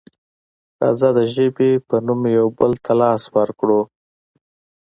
راځه د ژبې په نوم یو بل ته لاس ورکړو.